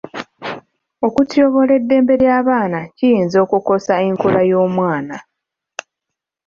Okutyoboola eddembe ly'abaana kiyinza okukosa enkula y'omwana.